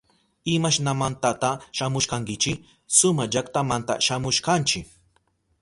¿Imashnamantata shamushkankichi? Suma llaktamanta shamushkanchi.